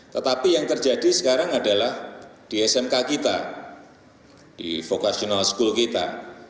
tetapi yang terjadi sekarang adalah di smk kita di vocational school kita